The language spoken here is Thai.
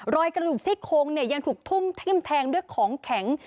รอยกระดูกซี่โครงยังถูกทุ่มแท่งด้วยของแข็ง